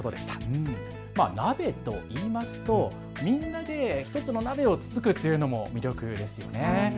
鍋といいますと、みんなで１つの鍋をつつくっていうのも魅力ですよね。